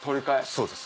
そうです。